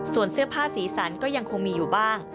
ส่วนเสื้อผ้าสีสันก็ยังคงมีอยู่บ้าง